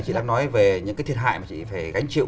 chị đang nói về những cái thiệt hại mà chị phải gánh chịu